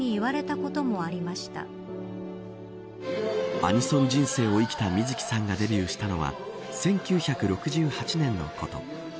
アニソン人生を生きた水木さんがデビューしたのは１９６８年のこと。